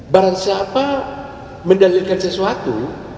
barang siapa mendalilkan sesuatu